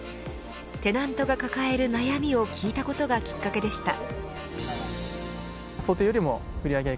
テナントが抱える悩みを聞いたことがきっかけでした。